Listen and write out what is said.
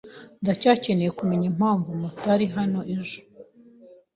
Ndacyakeneye kumenya impamvu mutari hano ejo